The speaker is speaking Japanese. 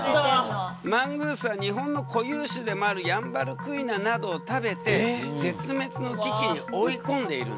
マングースは日本の固有種でもあるヤンバルクイナなどを食べて絶滅の危機に追い込んでいるんだ。